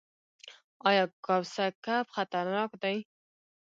ایا کوسه کب خطرناک دی؟